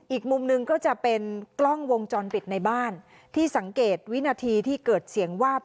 อีกมุมหนึ่งก็จะเป็นกล้องวงจรปิดในบ้านที่สังเกตวินาทีที่เกิดเสียงวาบ